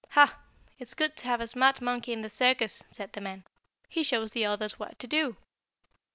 "Ha! It's good to have a smart monkey in the circus," said the man. "He shows the others what to do."